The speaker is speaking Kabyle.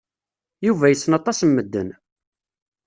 Yuba yessen aṭas n medden.